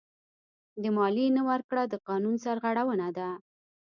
د مالیې نه ورکړه د قانون سرغړونه ده.